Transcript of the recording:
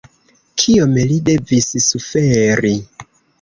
Kiom li devis suferi!